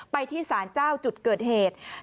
ไปที่สารเจ้าจุดเกิดเหตุ